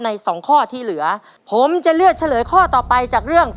สองข้อที่เหลือผมจะเลือกเฉลยข้อต่อไปจากเรื่อง